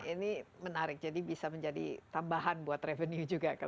ini menarik jadi bisa menjadi tambahan buat revenue juga kan